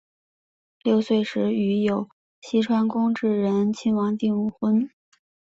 六岁时与有栖川宫炽仁亲王订婚。